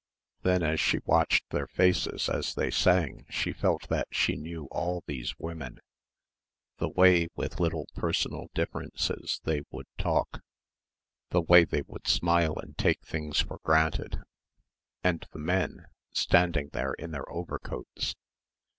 Then as she watched their faces as they sang she felt that she knew all these women, the way, with little personal differences, they would talk, the way they would smile and take things for granted. And the men, standing there in their overcoats....